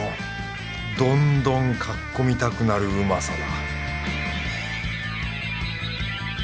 どんどんかっこみたくなるうまさだ